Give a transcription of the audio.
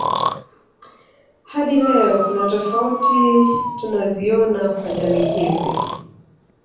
Hadi leo kuna tofuati tunaziona kwa jamii hizi